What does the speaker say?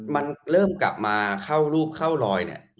มันเริ่มกลับมาเข้ารูปเข้ารอยเนี่ย